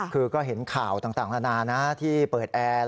คือก็เห็นข่าวต่างนานานะที่เปิดแอร์